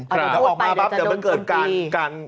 ออกมาแบบเดี๋ยวมันเกิดการ